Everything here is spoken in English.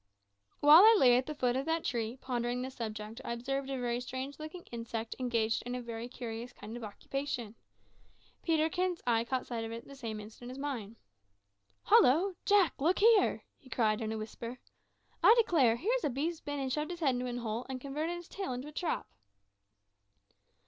While I lay at the foot of that tree, pondering this subject, I observed a very strange looking insect engaged in a very curious kind of occupation. Peterkin's eye caught sight of it at the same instant with mine. "Hollo! Jack, look here!" he cried in a whisper. "I declare, here's a beast been and shoved its head into a hole, and converted its tail into a trap!"